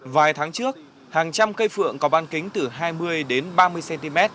vài tháng trước hàng trăm cây phượng có ban kính từ hai mươi đến ba mươi cm